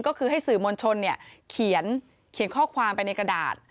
ก็คือให้สื่อมวลชนเขียนข้อความไปในกระดาษ